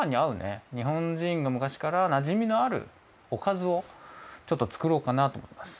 にほんじんが昔からなじみのあるおかずをちょっとつくろうかなとおもいます。